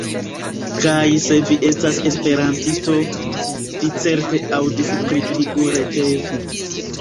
Kaj se vi estas Esperantisto, vi certe aŭdis pri tiu retejo.